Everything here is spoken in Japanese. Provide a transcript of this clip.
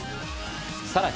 さらに。